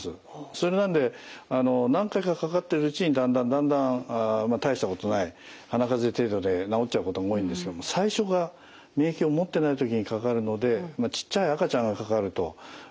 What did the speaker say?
それなんで何回かかかってるうちにだんだんだんだん大したことない鼻風邪程度で治っちゃうことも多いんですけども最初が免疫を持ってない時にかかるのでちっちゃい赤ちゃんがかかると重くなりやすい。